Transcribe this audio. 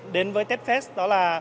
đến với techfest đó là